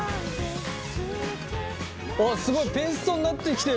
あっすごいペーストになってきてる。